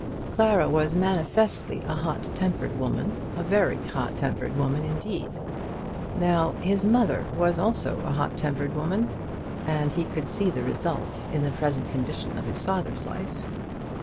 Clara was manifestly a hot tempered woman, a very hot tempered woman indeed! Now his mother was also a hot tempered woman, and he could see the result in the present condition of his father's life.